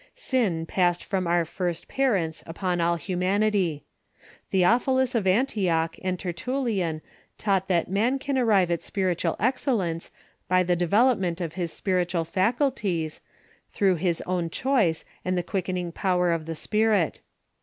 Sin passed from our first parents upon all humanity. Theophilus of Antioch and Tertullian taught that man can arrive at spiritual excellence by the de velopment of his spiritual faculties, through his own choice and the quickening power of the Spirit.